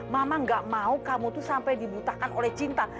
mama gak mau kamu tuh sampai dibutakan oleh cinta